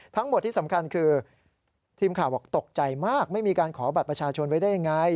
ทั้งหมดที่สำคัญคือทีมข่าวบอกตกใจมากไม่มีการขอบัตรประชาชนไว้ได้ยังไง